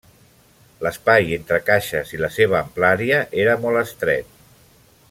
L'espai entre caixes i la seva amplària era molt estret.